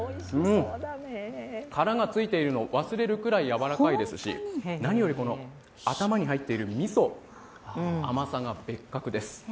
殻がついているの、忘れるぐらいやわらかいですし、何より頭に入ってるみそ、甘さが別格です。